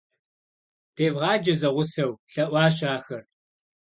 - Девгъаджэ зэгъусэу, – лъэӀуащ ахэр.